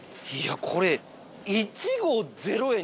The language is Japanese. いやこれ。